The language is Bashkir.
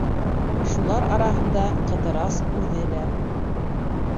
Шулар араһында Ҡыҙырас үҙе лә.